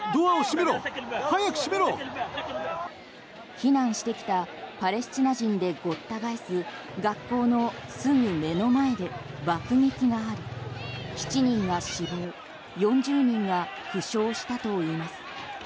避難してきたパレスチナ人でごった返し学校のすぐ目の前では爆撃があり７人が死亡４０人が負傷したといいます。